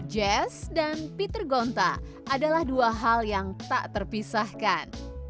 jazz dan peter gonta adalah dua hal yang tak terpisahkan